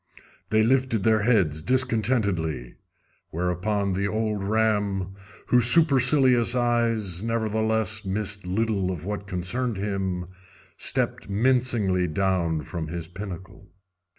They lifted their heads discontentedly, whereupon the old ram, whose supercilious eyes nevertheless missed little of what concerned him, stepped mincingly down from his pinnacle.